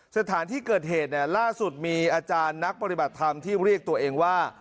สถานที่เกิดเหตุเนี่ยล่าสุดมีอาจารย์นักปฏิบัติธรรมที่เรียกตัวเองว่า